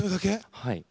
はい。